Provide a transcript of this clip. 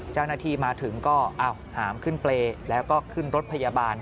เจ้าหน้าที่มาถึงก็หามขึ้นเปรย์แล้วก็ขึ้นรถพยาบาล